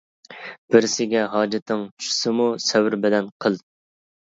بىرسىگە ھاجىتىڭ چۈشسىمۇ سەۋر بىلەن قىل.